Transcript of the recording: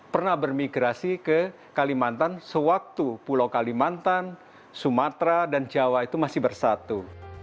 pernah bermigrasi ke kalimantan sewaktu pulau kalimantan sumatera dan jawa itu masih bersatu